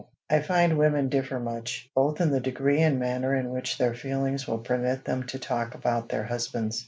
I find women differ much, both in the degree and manner in which their feelings will permit them to talk about their husbands.